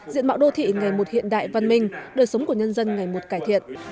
diện mạo đô thị ngày một hiện đại văn minh đời sống của nhân dân ngày một cải thiện